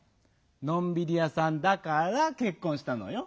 「のんびりやさんだからけっこんした」のよ。